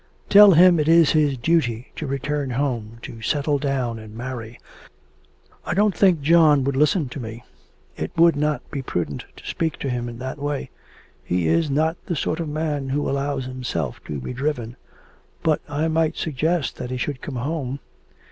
'Tell him it is his duty to return home, to settle down and marry.' 'I don't think John would listen to me it would not be prudent to speak to him in that way. He is not the sort of man who allows himself to be driven. But I might suggest that he should come home.'